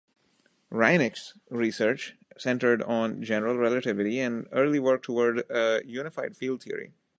Rainich's research centered on general relativity and early work toward a unified field theory.